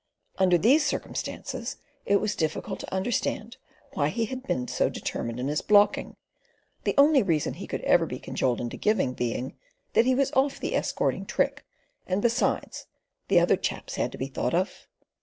Under these circumstances it was difficult to understand why he had been so determined in his blocking, the only reason he could ever be cajoled into giving being "that he was off the escorting trick, and, besides, the other chaps had to be thought of."